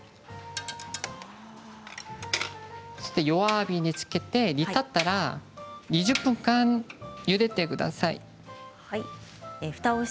弱火にして煮立ったら２０分間ゆでてください。